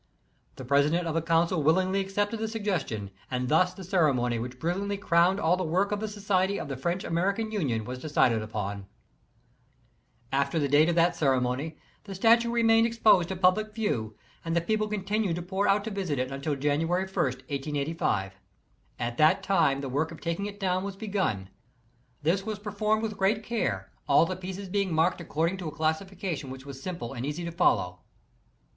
The President of the Council willingly accejpted the suggestion, and thus the ceremony which brilliantly crowned all the work of the Society of the French American Union was decided upon. [See notes B, C and D, for the details,] After the date of that ceremony, the statue remained exposed to public view, and the people continued to pour out to visit it until January i, i885. At that time the work of taking it down was begun. This was performed j I t i with great care, all the pieces being marked according tc a classification which was simple and easy to follow.